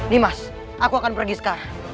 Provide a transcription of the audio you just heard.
dimas aku akan pergi sekarang